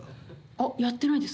あっやってないです。